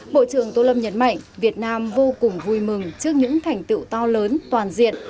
bộ trưởng tô lâm nhấn mạnh việt nam vô cùng vui mừng trước những thành tựu to lớn toàn diện